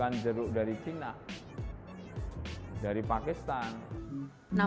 namun banjir jeruk impor ini tidak mempengaruhi persona juruk luar negara